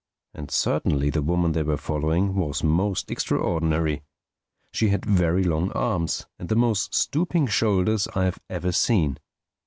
And certainly the woman they were following was most extraordinary. She had very long arms and the most stooping shoulders I have ever seen.